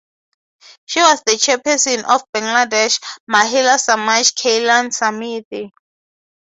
She was the Chairperson of Bangladesh Mahila Samaj Kalyan Samiti.